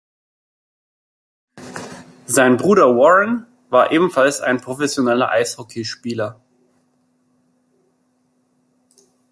Sein Bruder Warren war ebenfalls ein professioneller Eishockeyspieler.